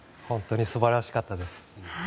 本当に素晴らしかったです。